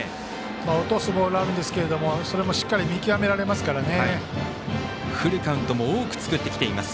落とすボールなんですがそれもしっかり見極められますからね。